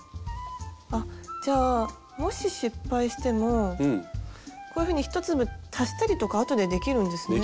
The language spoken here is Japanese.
あっじゃあもし失敗してもこういうふうに１粒足したりとかあとでできるんですね？